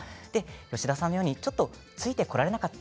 吉田さんのようにちょっとついてこられなかった。